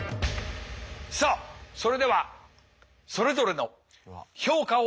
さあそれではそれぞれの評価を下しましょう。